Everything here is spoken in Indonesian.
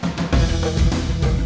saya akan berusaha sebaik baiknya